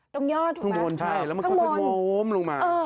ตรงย่อถูกไหมตรงบนใช่แล้วมันค่อยค่อยโม้มลงมา